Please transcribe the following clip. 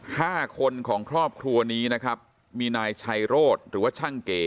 ห้าคนของครอบครัวนี้นะครับมีนายชัยโรธหรือว่าช่างเก๋